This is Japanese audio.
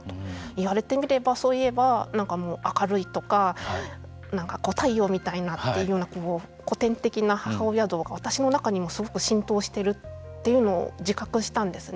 言われてみればそういえば明るいとかなんか太陽みたいなという古典的な母親像が私の中にもすごく浸透してるというのを自覚したんですね。